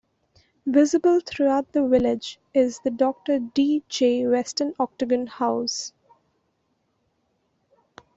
Visible throughout the village is the Dr. D. J. Weston Octagon House.